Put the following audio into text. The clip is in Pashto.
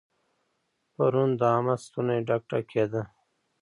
پرون د احمد ستونی ډک ډک کېد.